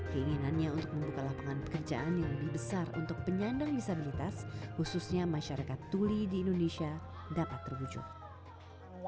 keinginannya untuk membuka lapangan pekerjaan yang lebih besar untuk penyandang disabilitas khususnya masyarakat tuli di indonesia dapat terwujud